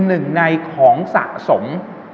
หนึ่งในของสะสม